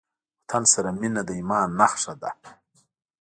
وطن سره مينه د ايمان نښه ده.